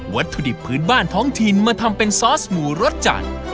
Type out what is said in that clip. วัตถุดิบพื้นบ้านท้องถิ่นมาทำเป็นซอสหมูรสจัด